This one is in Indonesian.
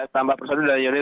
tambah persen dari unit